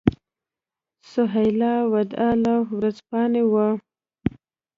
سهیلا وداع له ورځپاڼې وه.